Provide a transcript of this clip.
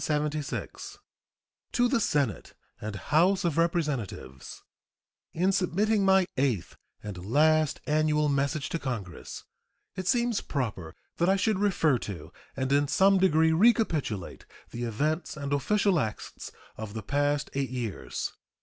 To the Senate and House of Representatives: In submitting my eighth and last annual message to Congress it seems proper that I should refer to and in some degree recapitulate the events and official acts of the past eight years.